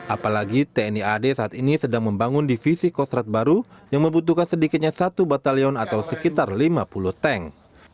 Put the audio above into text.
apalagi tni ad saat ini sedang membangun divisi kostrat baru yang membutuhkan sedikitnya satu batalion atau sekitar lima puluh tank